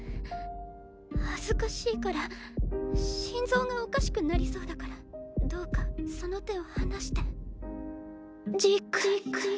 恥ずかしいから心臓がおかしくなりそうだからどうかその手を放してジーク。